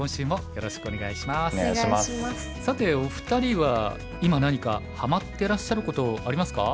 さてお二人は今何かはまってらっしゃることありますか？